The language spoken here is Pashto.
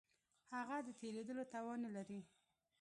هغه د تېرېدلو توان نه لري.